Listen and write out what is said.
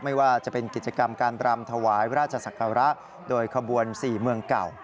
ไม่ว่าจะเป็นกิจกรรมการบรำถวายราชศักระโดยขบวน๔เมืองเก่า